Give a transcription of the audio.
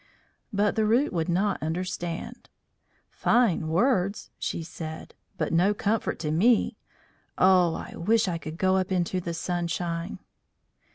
But the Root would not understand. "Fine words," she said, "but no comfort to me! Oh! I wish I could go up into the sunshine."